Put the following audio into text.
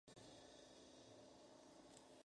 Finalmente se especializó en la pintura de paisajes.